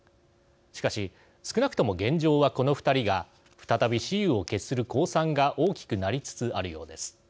しかし、少なくとも現状はこの２人が再び雌雄を決する公算が大きくなりつつあるようです。